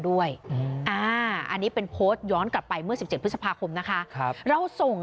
ด้วยอันนี้เป็นโพสต์ย้อนกลับไปเมื่อ๑๗พฤษภาคมนะคะเราส่ง